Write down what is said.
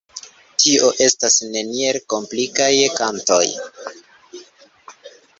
Tio estas neniel komplikaj kantoj.